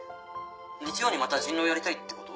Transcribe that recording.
日曜にまた人狼やりたいってこと？